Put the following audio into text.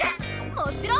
もちろん。